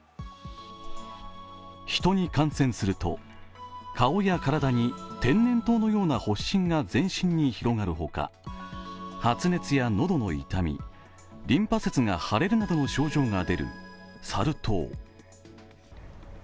ヒトに感染すると顔や体に天然痘のような発疹が全身に広がるほか発熱や喉の痛み、リンパ節が腫れるなどの症状が出るサル痘。